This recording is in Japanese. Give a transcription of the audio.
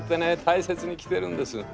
大切に着てるんです。